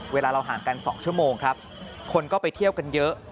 เวลาเราห่างกัน๒ชั่วโมงครับคนก็ไปเที่ยวกันเยอะ